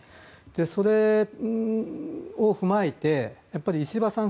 それを踏まえて石破さん